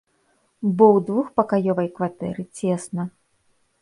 Бо ў двухпакаёвай кватэры цесна.